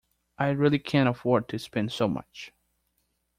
I really can’t afford to spend so much